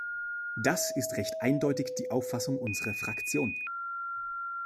Das ist recht eindeutig die Auffassung unserer Fraktion.